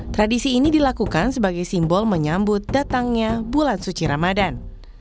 tradisi ini dilakukan sebagai simbol menyambut datangnya bulan suci ramadan